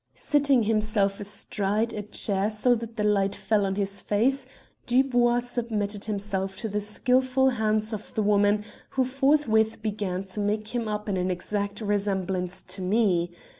"Sitting himself astride a chair so that the light fell on his face, Dubois submitted himself to the skilful hands of the woman, who forthwith began to make him up in an exact resemblance to me.